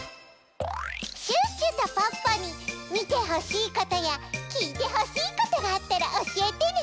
シュッシュとポッポにみてほしいことやきいてほしいことがあったらおしえてね！